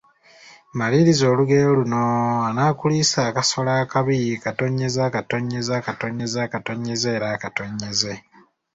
Maliriza olugero luno: Anaakuliisa akasolo akabi, …..